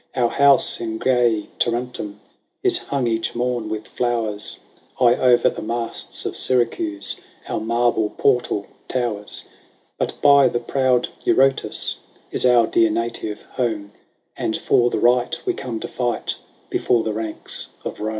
Our house in gay Tarentum Is hung each morn with flowers : High o'er the masts of Syracuse Our marble portal towers ; But by the proud Eurotas Is our dear native home ; And for the right we come to fight Before the ranks of Rome."